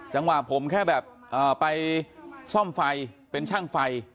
จังหวะผมแค่แบบไปซ่อมไฟเป็นช่างไฟ